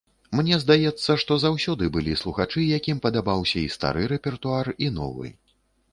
Мне здаецца, што заўсёды былі слухачы, якім падабаўся і стары рэпертуар, і новы.